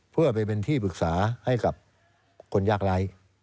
เพื่อไปเป็นที่ปรึกษาให้กับคนยากไร้